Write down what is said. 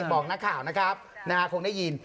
บอกนักข่าวนะครับคงได้ยิน